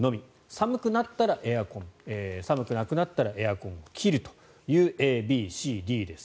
寒くなったらエアコン寒くなくなったらエアコンを切るというＡ、Ｂ、Ｃ、Ｄです。